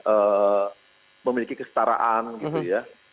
eee memiliki kestaraan gitu ya